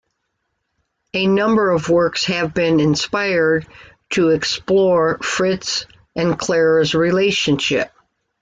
A number of works have been inspired to explore Fritz and Clara's relationship.